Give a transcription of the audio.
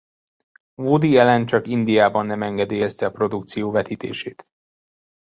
Woody Allen csak Indiában nem engedélyezte a produkció vetítését.